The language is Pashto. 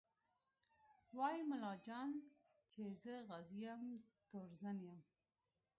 وايي ملا جان چې زه غازي یم تورزن یم